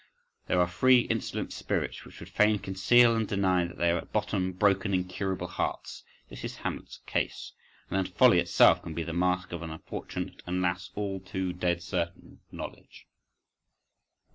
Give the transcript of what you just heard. There are free insolent spirits which would fain conceal and deny that they are at bottom broken, incurable hearts—this is Hamlet's case: and then folly itself can be the mask of an unfortunate and alas! all too dead certain knowledge.